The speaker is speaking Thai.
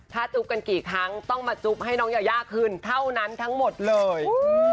ถ้าจุ๊บกันกี่ครั้งต้องมาจุ๊บให้น้องยายาคืนเท่านั้นทั้งหมดเลย